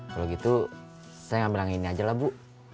kalau gitu saya ambil yang ini aja lah bu